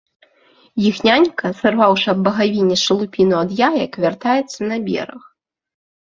Іх нянька, сарваўшы аб багавінне шалупіну ад яек, вяртаецца на бераг.